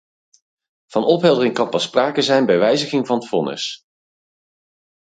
Van opheldering kan pas sprake zijn bij wijzing van het vonnis.